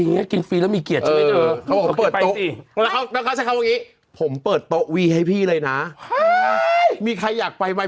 ค่ะไปที่นี่ผมเปิดตั๊กวี่ให้พี่เลยว่ะมีใครอยากไปไว้บอธ